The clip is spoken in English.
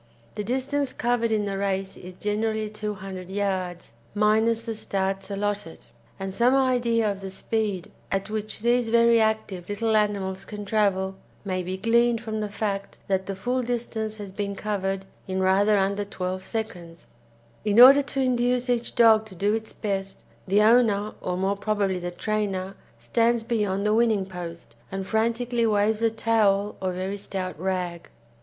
The distance covered in the race is generally 200 yards, minus the starts allotted, and some idea of the speed at which these very active little animals can travel may be gleaned from the fact that the full distance has been covered in rather under 12 seconds. In order to induce each dog to do its best, the owner, or more probably the trainer stands beyond the winning post, and frantically waves a towel or very stout rag.